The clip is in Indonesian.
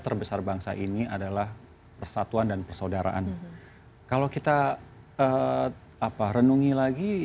terbesar bangsa ini adalah persatuan dan persaudaraan kalau kita apa renungi lagi